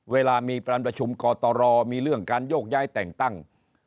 เวลามีการประชุมกตรมีเรื่องการโยกย้ายแต่งตั้ง